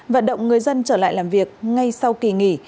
vận động người dân trở lại làm việc ngay sau kỳ nghỉ